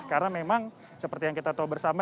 karena memang seperti yang kita tahu bersama